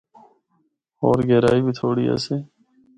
ہور گہرائی بھی تھوڑی آسی۔